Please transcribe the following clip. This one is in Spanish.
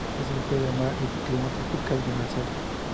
Es un pez de mar y de clima tropical demersal.